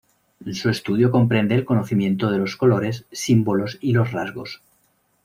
Su estudio comprende el conocimiento de los colores, símbolos y los rasgos.